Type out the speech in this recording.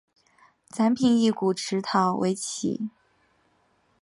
展品以古陶瓷为主。